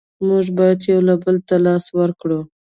مونږ باید یو بل ته لاس ورکړو.